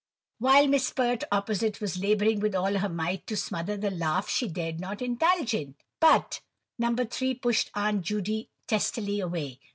while Miss Pert opposite was labouring with all her might to smother the laugh she dared not indulge in. But No. 3 pushed Aunt Judy testily away.